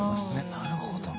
なるほど。